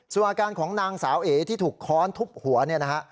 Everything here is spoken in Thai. ส่วนอาการของนางสาวเอ๋ที่ถูกค้อนทุบหัวเนี่ยนะฮะ